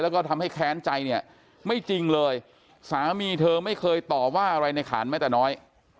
แล้วก็ทำให้แค้นใจเนี่ยไม่จริงเลยสามีเธอไม่เคยต่อว่าอะไรในขานแม้แต่น้อย